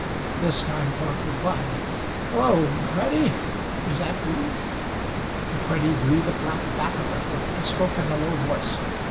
This time Thorpe replied. "Hello, McCready is that you?" McCready drew the flap back a little, and spoke in a low voice.